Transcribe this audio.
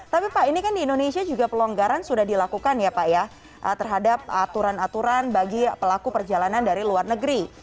tapi pak ini kan di indonesia juga pelonggaran sudah dilakukan ya pak ya terhadap aturan aturan bagi pelaku perjalanan dari luar negeri